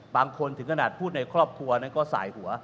ถึงขนาดพูดในครอบครัวนั้นก็สายหัว